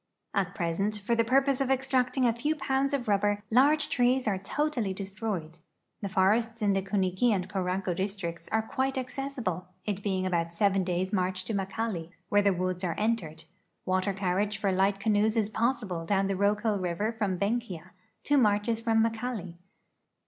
At present, for the purpose of extract ing a few pounds of rubber, large trees are totally destroyed. The forests in the Kuniki and Koranko districts are quite ac cessible, it being about seven da3^s' march to Makali, where the woods are entered. Water carriage for light canoes is possible down the Rokel river from Benkia, two marches from Makali.